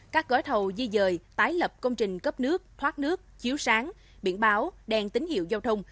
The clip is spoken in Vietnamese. các gói thầu di dời tái lập công trình cấp nước thoát nước chiếu sáng biển báo đèn tín hiệu giao thông